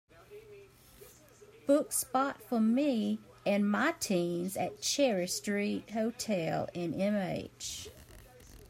book spot for me and my teens at Cherry Street Hotel in MH